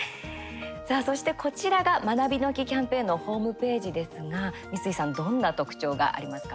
さあ、そしてこちらが「まなびの木キャンペーン」のホームページですが、三井さんどんな特徴がありますか？